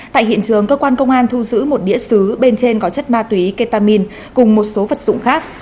tại hiện trường cơ quan công an thu giữ một đĩa xứ bên trên có chất ma túy ketamin cùng một số vật dụng khác